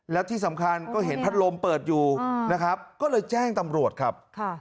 แล้วที่สำคัญก็เห็นพัดลมเปิดอยู่นะครับก็เลยแจ้งตำรวจครับ